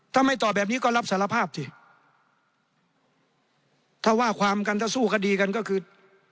ถ้าไม่ตอบแบบนี้ก็รับสารภาพสิถ้าว่าความกันถ้าสู้คดีกันก็คือ